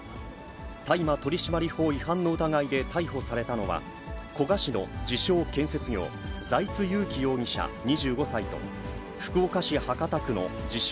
大麻取締法違反の疑いで逮捕されたのは、古賀市の自称建設業、財津優樹容疑者２５歳と、福岡市博多区の自称